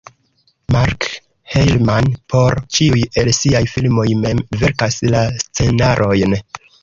Mark Herman por ĉiuj el siaj filmoj mem verkas la scenarojn.